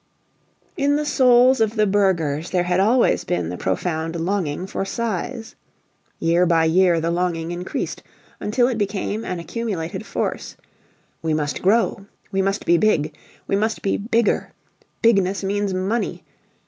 In the souls of the burghers there had always been the profound longing for size. Year by year the longing increased until it became an accumulated force: We must Grow! We must be Big! We must be Bigger! Bigness means Money!